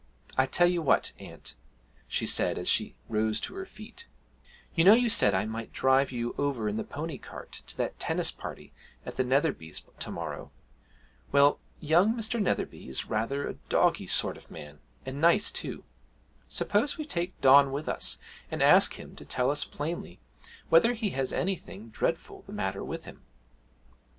I tell you what, aunt,' she said as she rose to her feet, 'you know you said I might drive you over in the pony cart to that tennis party at the Netherbys to morrow. Well, young Mr. Netherby is rather a "doggy" sort of man, and nice too. Suppose we take Don with us and ask him to tell us plainly whether he has anything dreadful the matter with him?'